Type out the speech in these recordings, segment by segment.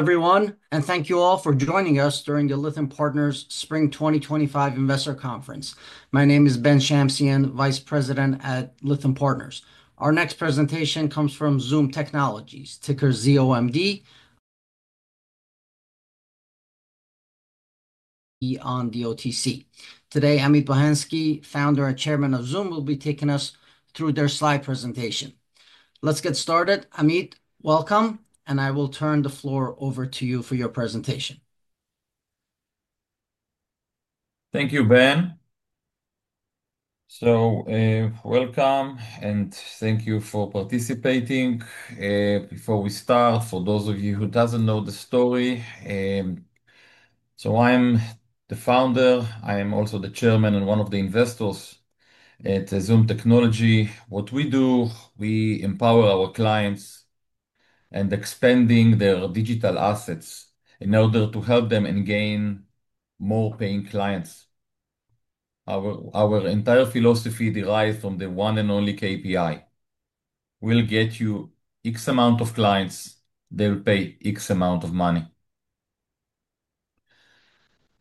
Hello, everyone, and thank you all for joining us during the Lithium Partners Spring 2025 investor conference. My name is Ben Shamsian, Vice President at Lytham Partners. Our next presentation comes from Zoomd Technologies, ticker ZOMD, on the OTC. Today, Amit Bohensky, Founder and Chairman of Zoomd, will be taking us through their slide presentation. Let's get started. Amit, welcome, and I will turn the floor over to you for your presentation. Thank you, Ben. Welcome, and thank you for participating. Before we start, for those of you who do not know the story, I am the founder. I am also the Chairman and one of the investors at Zoomd Technologies. What we do, we empower our clients and expand their digital assets in order to help them and gain more paying clients. Our entire philosophy derives from the one and only KPI: we will get you X amount of clients, they will pay X amount of money.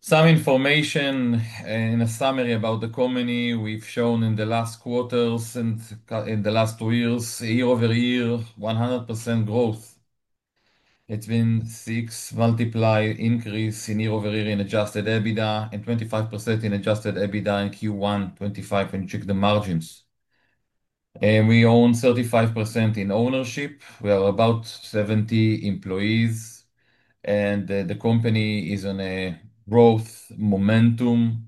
Some information and a summary about the company we have shown in the last quarters and in the last two years, year over year, 100% growth. It has been six multiplied increases in year over year in adjusted EBITDA and 25% in adjusted EBITDA in Q1, 25% when you check the margins. We own 35% in ownership. We are about 70 employees, and the company is on a growth momentum.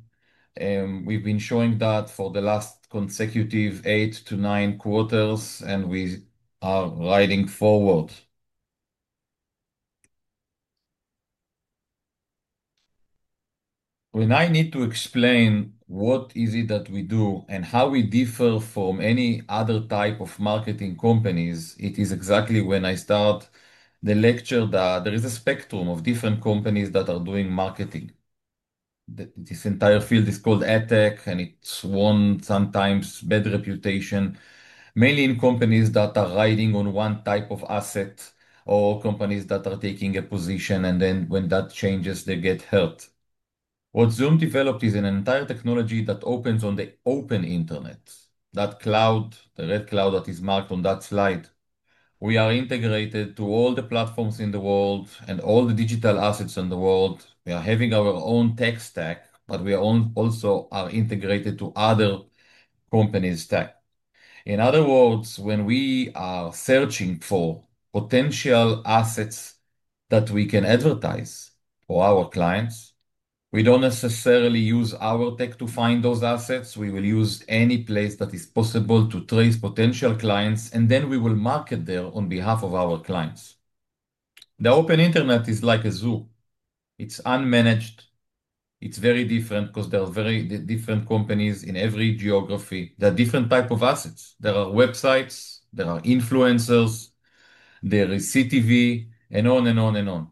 We've been showing that for the last consecutive eight to nine quarters, and we are riding forward. When I need to explain what it is that we do and how we differ from any other type of marketing companies, it is exactly when I start the lecture that there is a spectrum of different companies that are doing marketing. This entire field is called MarTech, and it's won sometimes a bad reputation, mainly in companies that are riding on one type of asset or companies that are taking a position, and then when that changes, they get hurt. What Zoomd developed is an entire technology that opens on the open internet, that cloud, the red cloud that is marked on that slide. We are integrated to all the platforms in the world and all the digital assets in the world. We are having our own tech stack, but we also are integrated to other companies' stack. In other words, when we are searching for potential assets that we can advertise for our clients, we do not necessarily use our tech to find those assets. We will use any place that is possible to trace potential clients, and then we will market there on behalf of our clients. The open internet is like a zoo. It is unmanaged. It is very different because there are very different companies in every geography. There are different types of assets. There are websites, there are influencers, there is CTV, and on and on and on.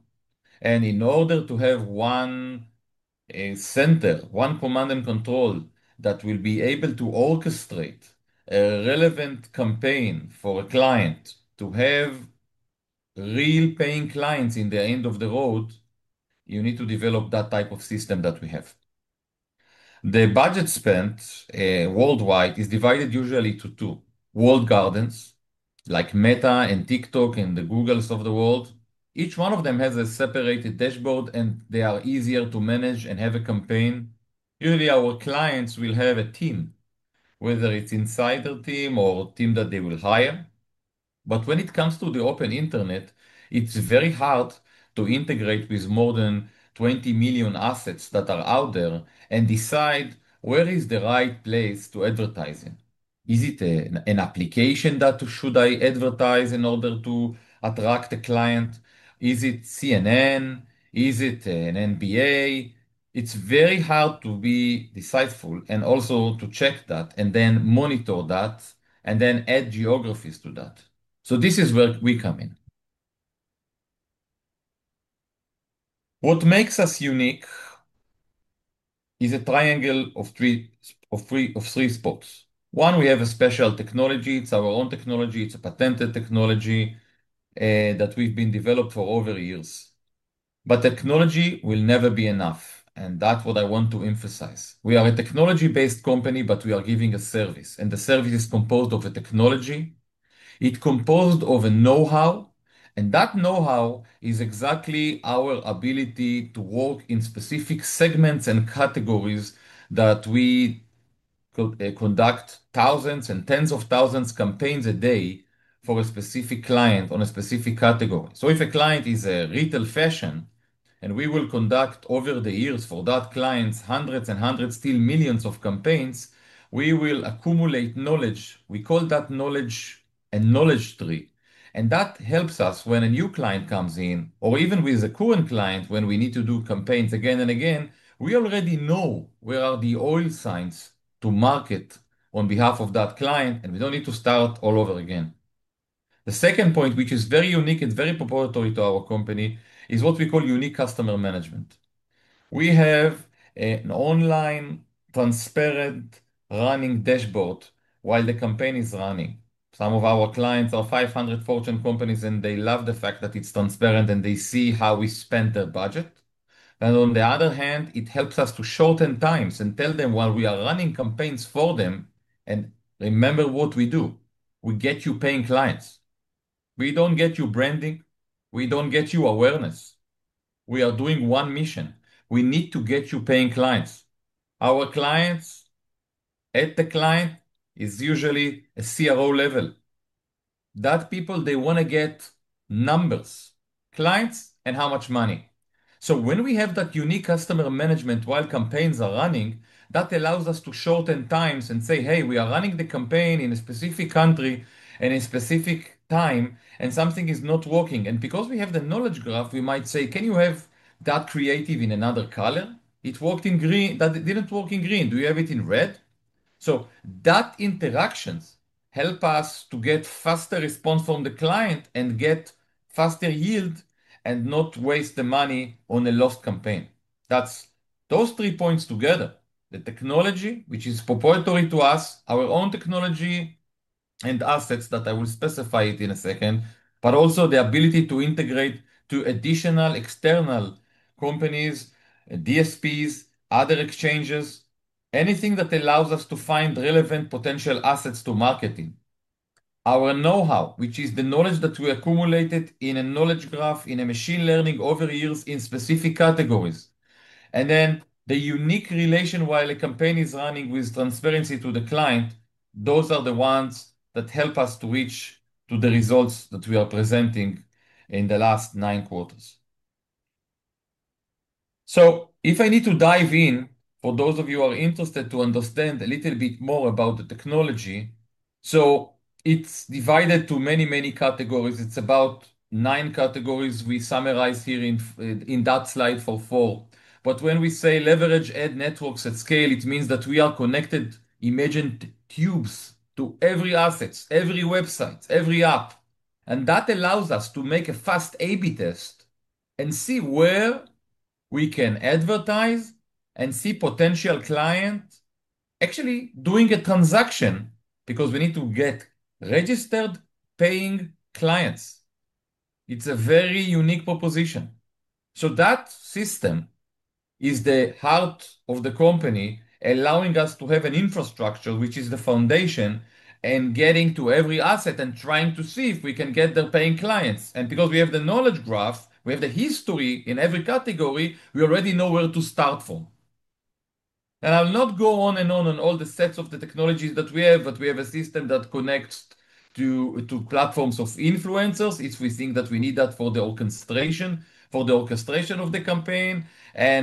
In order to have one center, one command and control that will be able to orchestrate a relevant campaign for a client to have real paying clients in the end of the road, you need to develop that type of system that we have. The budget spent worldwide is divided usually into two walled gardens, like Meta and TikTok and the Googles of the world. Each one of them has a separate dashboard, and they are easier to manage and have a campaign. Usually, our clients will have a team, whether it's an insider team or a team that they will hire. When it comes to the open internet, it's very hard to integrate with more than 20 million assets that are out there and decide where is the right place to advertise in. Is it an application that should I advertise in order to attract a client? Is it CNN? Is it an NBA? It's very hard to be decisive and also to check that and then monitor that and then add geographies to that. This is where we come in. What makes us unique is a triangle of three spots. One, we have a special technology. It's our own technology. It's a patented technology that we've been developing for over years. Technology will never be enough, and that's what I want to emphasize. We are a technology-based company, but we are giving a service, and the service is composed of technology. It's composed of know-how, and that know-how is exactly our ability to work in specific segments and categories that we conduct thousands and tens of thousands of campaigns a day for a specific client on a specific category. If a client is retail fashion, and we will conduct over the years for that client hundreds and hundreds, still millions of campaigns, we will accumulate knowledge. We call that knowledge a knowledge tree. That helps us when a new client comes in, or even with a current client when we need to do campaigns again and again, we already know where the oil signs are to market on behalf of that client, and we do not need to start all over again. The second point, which is very unique and very proprietary to our company, is what we call unique customer management. We have an online transparent running dashboard while the campaign is running. Some of our clients are Fortune 500 companies, and they love the fact that it is transparent and they see how we spend their budget. On the other hand, it helps us to shorten times and tell them while we are running campaigns for them, and remember what we do. We get you paying clients. We don't get you branding. We don't get you awareness. We are doing one mission. We need to get you paying clients. Our clients at the client is usually a CRO level. Those people, they want to get numbers, clients, and how much money. When we have that unique customer management while campaigns are running, that allows us to shorten times and say, "Hey, we are running the campaign in a specific country and a specific time, and something is not working." Because we have the knowledge graph, we might say, "Can you have that creative in another color? It worked in green. That didn't work in green. Do you have it in red?" Those interactions help us to get faster response from the client and get faster yield and not waste the money on a lost campaign. Those three points together, the technology, which is proprietary to us, our own technology and assets that I will specify in a second, but also the ability to integrate to additional external companies, DSPs, other exchanges, anything that allows us to find relevant potential assets to marketing. Our know-how, which is the knowledge that we accumulated in a knowledge graph, in a machine learning over years in specific categories, and then the unique relation while a campaign is running with transparency to the client, those are the ones that help us to reach the results that we are presenting in the last nine quarters. If I need to dive in, for those of you who are interested to understand a little bit more about the technology, it's divided into many, many categories. It's about nine categories we summarize here in that slide for four. When we say leverage ad networks at scale, it means that we are connected, imagine tubes to every asset, every website, every app. That allows us to make a fast A/B test and see where we can advertise and see potential clients actually doing a transaction because we need to get registered paying clients. It's a very unique proposition. That system is the heart of the company, allowing us to have an infrastructure, which is the foundation, and getting to every asset and trying to see if we can get their paying clients. Because we have the knowledge graph, we have the history in every category, we already know where to start from. I'll not go on and on on all the sets of the technologies that we have, but we have a system that connects to platforms of influencers if we think that we need that for the orchestration, for the orchestration of the campaign.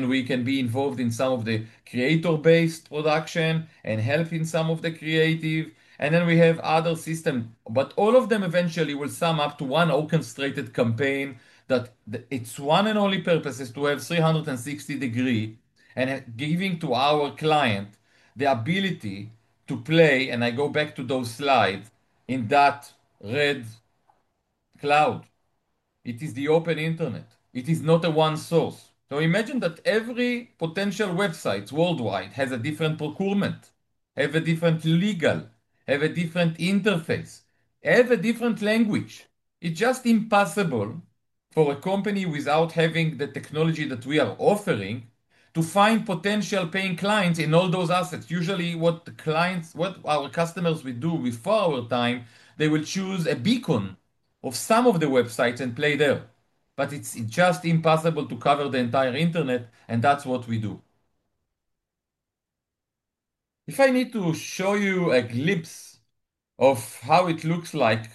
We can be involved in some of the creator-based production and help in some of the creative. We have other systems, but all of them eventually will sum up to one orchestrated campaign that its one and only purpose is to have 360-degree and giving to our client the ability to play. I go back to those slides in that red cloud. It is the open internet. It is not a one source. Imagine that every potential website worldwide has a different procurement, has a different legal, has a different interface, has a different language. It's just impossible for a company without having the technology that we are offering to find potential paying clients in all those assets. Usually, what our customers will do before our time, they will choose a beacon of some of the websites and play there. It's just impossible to cover the entire internet, and that's what we do. If I need to show you a glimpse of how it looks like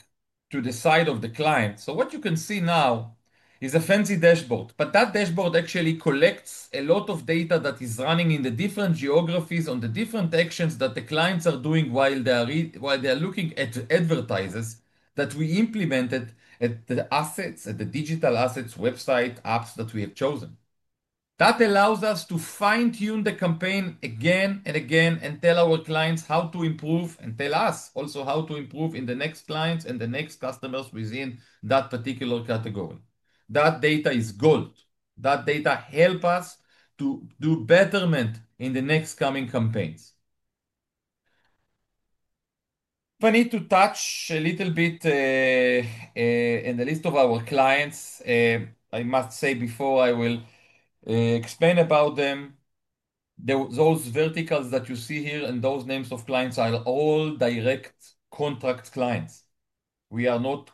to the side of the client. What you can see now is a fancy dashboard, but that dashboard actually collects a lot of data that is running in the different geographies on the different actions that the clients are doing while they are looking at advertisers that we implemented at the assets, at the digital assets, website, apps that we have chosen. That allows us to fine-tune the campaign again and again and tell our clients how to improve and tell us also how to improve in the next clients and the next customers within that particular category. That data is gold. That data helps us to do betterment in the next coming campaigns. If I need to touch a little bit on the list of our clients, I must say before I will explain about them, those verticals that you see here and those names of clients are all direct contract clients. We are not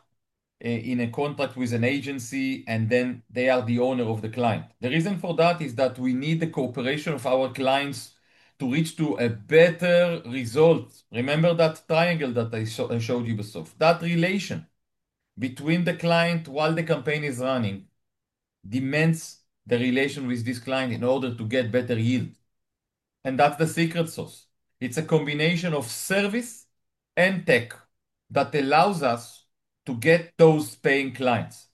in a contract with an agency, and then they are the owner of the client. The reason for that is that we need the cooperation of our clients to reach a better result. Remember that triangle that I showed you before. That relation between the client while the campaign is running demands the relation with this client in order to get better yield. That is the secret sauce. It is a combination of service and tech that allows us to get those paying clients.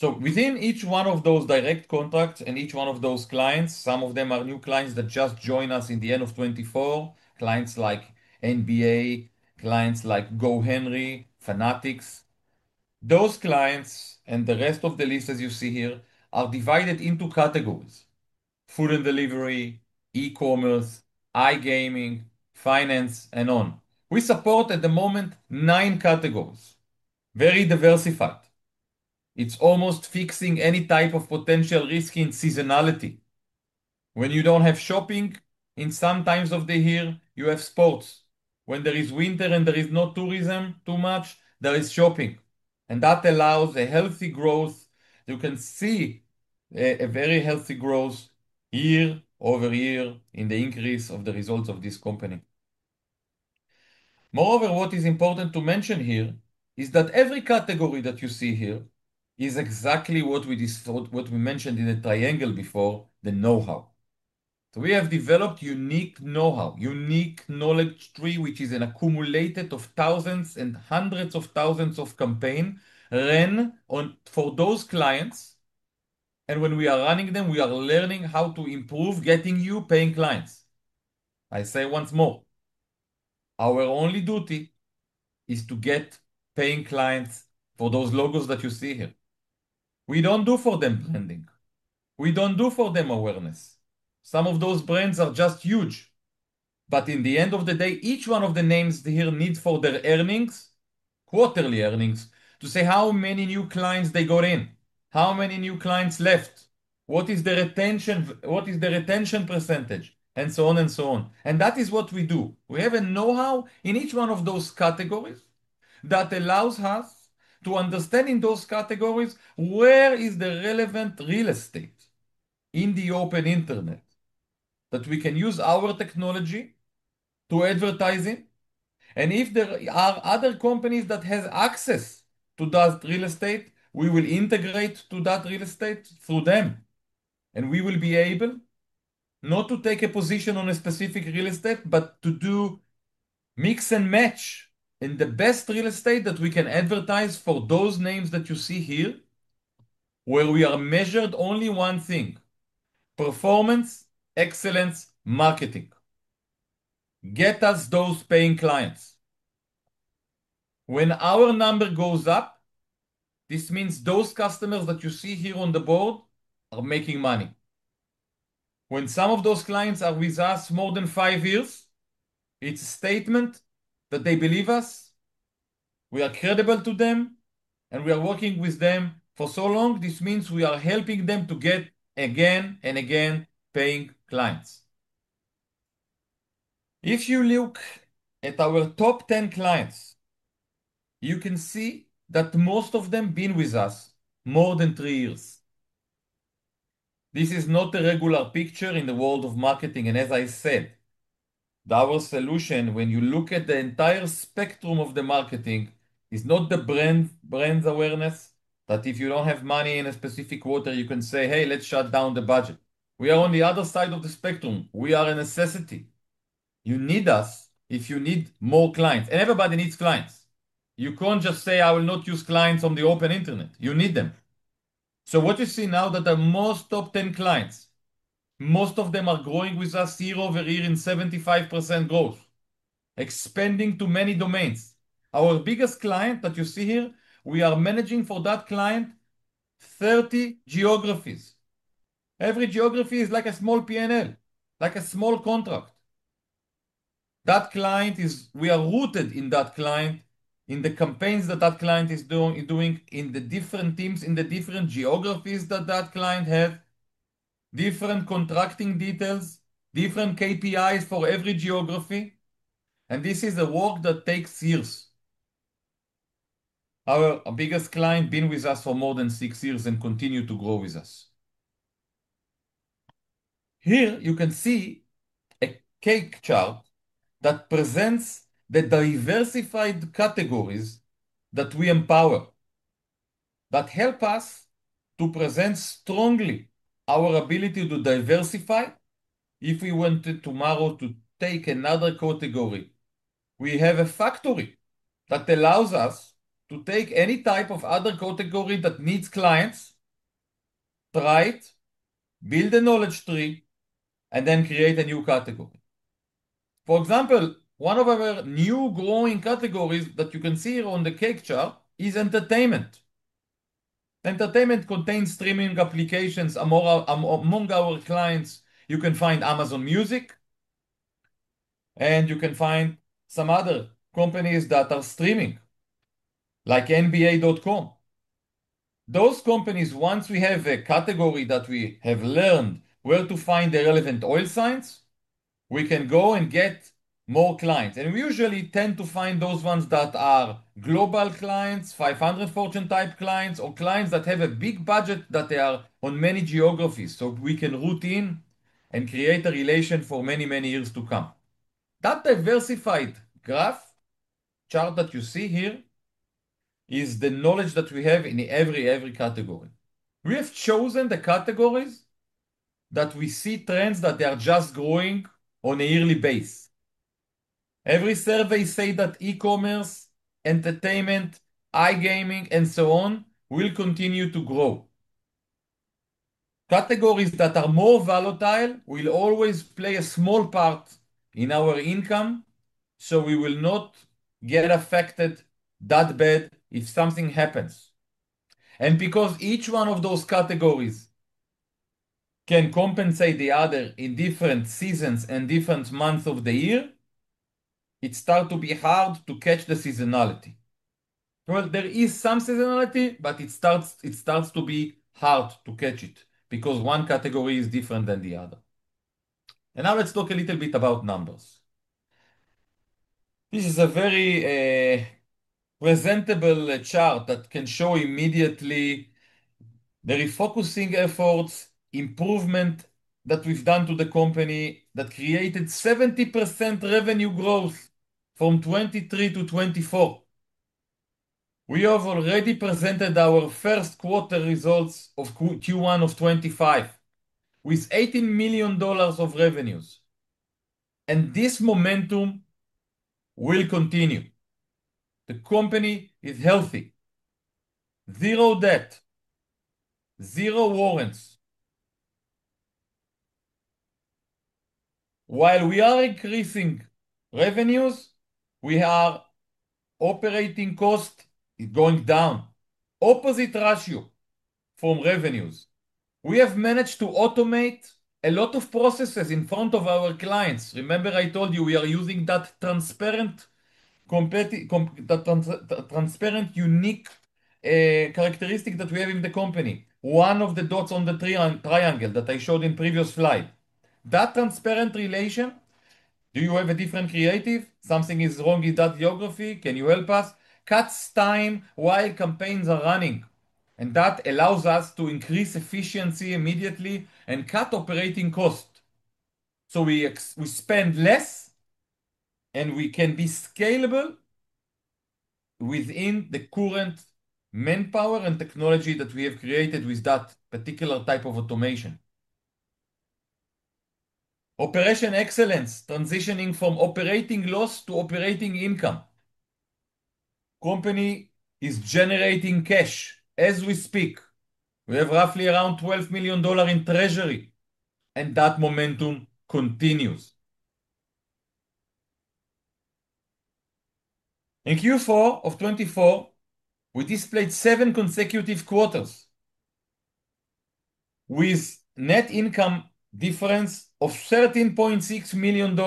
Within each one of those direct contracts and each one of those clients, some of them are new clients that just joined us in the end of 2024, clients like NBA, clients like GoHenry, Fanatics. Those clients and the rest of the list, as you see here, are divided into categories: food and delivery, e-commerce, iGaming, finance, and on. We support at the moment nine categories, very diversified. It's almost fixing any type of potential risk in seasonality. When you don't have shopping in some times of the year, you have sports. When there is winter and there is no tourism too much, there is shopping. That allows a healthy growth. You can see a very healthy growth year over year in the increase of the results of this company. Moreover, what is important to mention here is that every category that you see here is exactly what we mentioned in the triangle before, the know-how. We have developed unique know-how, unique knowledge tree, which is an accumulated of thousands and hundreds of thousands of campaigns run for those clients. When we are running them, we are learning how to improve getting you paying clients. I say once more, our only duty is to get paying clients for those logos that you see here. We do not do for them branding. We do not do for them awareness. Some of those brands are just huge. In the end of the day, each one of the names here needs for their earnings, quarterly earnings, to say how many new clients they got in, how many new clients left, what is the retention percentage, and so on and so on. That is what we do. We have a know-how in each one of those categories that allows us to understand in those categories where is the relevant real estate in the open internet that we can use our technology to advertise in. If there are other companies that have access to that real estate, we will integrate to that real estate through them. We will be able not to take a position on a specific real estate, but to do mix and match in the best real estate that we can advertise for those names that you see here, where we are measured only one thing: performance, excellence, marketing. Get us those paying clients. When our number goes up, this means those customers that you see here on the board are making money. When some of those clients are with us more than five years, it's a statement that they believe us, we are credible to them, and we are working with them for so long, this means we are helping them to get again and again paying clients. If you look at our top 10 clients, you can see that most of them have been with us more than three years. This is not a regular picture in the world of marketing. As I said, our solution, when you look at the entire spectrum of the marketing, is not the brand awareness that if you do not have money in a specific quarter, you can say, "Hey, let's shut down the budget." We are on the other side of the spectrum. We are a necessity. You need us if you need more clients. Everybody needs clients. You cannot just say, "I will not use clients on the open internet." You need them. What you see now is that the most top 10 clients, most of them are growing with us year over year in 75% growth, expanding to many domains. Our biggest client that you see here, we are managing for that client 30 geographies. Every geography is like a small P&L, like a small contract. That client is, we are rooted in that client, in the campaigns that that client is doing in the different teams, in the different geographies that that client has, different contracting details, different KPIs for every geography. This is a work that takes years. Our biggest client has been with us for more than six years and continues to grow with us. Here you can see a cake chart that presents the diversified categories that we empower, that help us to present strongly our ability to diversify. If we wanted tomorrow to take another category, we have a factory that allows us to take any type of other category that needs clients, try it, build a knowledge tree, and then create a new category. For example, one of our new growing categories that you can see here on the cake chart is entertainment. Entertainment contains streaming applications. Among our clients, you can find Amazon Music, and you can find some other companies that are streaming, like nba.com. Those companies, once we have a category that we have learned where to find the relevant oil signs, we can go and get more clients. We usually tend to find those ones that are global clients, 500 Fortune type clients, or clients that have a big budget that they are on many geographies. We can root in and create a relation for many, many years to come. That diversified graph chart that you see here is the knowledge that we have in every, every category. We have chosen the categories that we see trends that they are just growing on a yearly base. Every survey says that e-commerce, entertainment, iGaming, and so on will continue to grow. Categories that are more volatile will always play a small part in our income, so we will not get affected that bad if something happens. Because each one of those categories can compensate the other in different seasons and different months of the year, it starts to be hard to catch the seasonality. There is some seasonality, but it starts to be hard to catch it because one category is different than the other. Now let's talk a little bit about numbers. This is a very presentable chart that can show immediately the refocusing efforts, improvement that we've done to the company that created 70% revenue growth from 2023 to 2024. We have already presented our first quarter results of Q1 of 2025 with $18 million of revenues. This momentum will continue. The company is healthy, zero debt, zero warrants. While we are increasing revenues, our operating cost is going down. Opposite ratio from revenues. We have managed to automate a lot of processes in front of our clients. Remember, I told you we are using that transparent, unique characteristic that we have in the company, one of the dots on the triangle that I showed in the previous slide. That transparent relation, do you have a different creative? Something is wrong in that geography. Can you help us? Cuts time while campaigns are running. That allows us to increase efficiency immediately and cut operating cost. We spend less and we can be scalable within the current manpower and technology that we have created with that particular type of automation. Operation excellence, transitioning from operating loss to operating income. Company is generating cash as we speak. We have roughly around $12 million in treasury, and that momentum continues. In Q4 of 2024, we displayed seven consecutive quarters with net income difference of $13.6 million.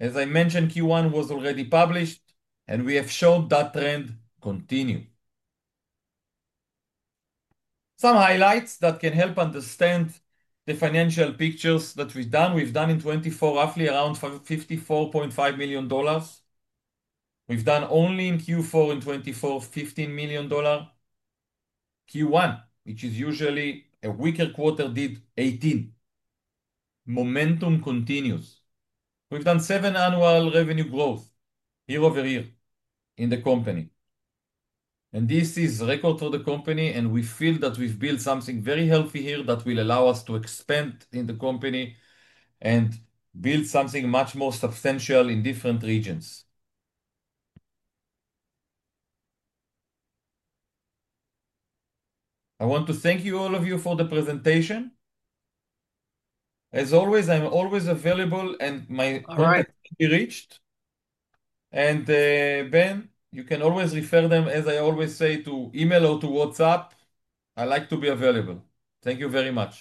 As I mentioned, Q1 was already published, and we have showed that trend continue. Some highlights that can help understand the financial pictures that we've done. We've done in 2024 roughly around $54.5 million. We've done only in Q4 in 2024, $15 million. Q1, which is usually a weaker quarter, did $18 million. Momentum continues. We've done seven annual revenue growth year over year in the company. And this is record for the company, and we feel that we've built something very healthy here that will allow us to expand in the company and build something much more substantial in different regions. I want to thank you, all of you, for the presentation. As always, I'm always available, and my contact will be reached. Ben, you can always refer them, as I always say, to email or to WhatsApp. I like to be available. Thank you very much.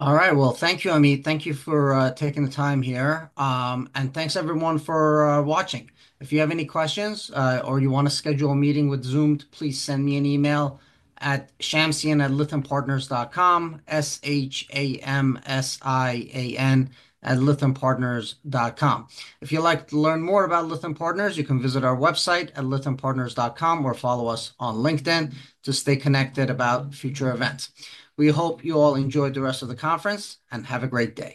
Thank you, Amit. Thank you for taking the time here. Thanks, everyone, for watching. If you have any questions or you want to schedule a meeting with Zoomd, please send me an email at shamsian@lythampartners.com, shamsian@lythampartners.com. If you'd like to learn more about Lytham Partners, you can visit our website at lythampartners.com or follow us on LinkedIn to stay connected about future events. We hope you all enjoy the rest of the conference and have a great day.